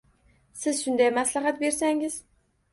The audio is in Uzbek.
–Siz shunday maslahat bersangiz…